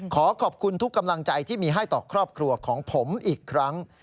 ขอขอบคุณทุกกำลังใจที่มีให้ต่อครอบครัวของผมอีกครั้ง